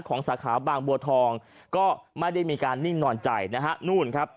สาขาบางบัวทองก็ไม่ได้มีการนิ่งนอนใจนะฮะนู่นครับ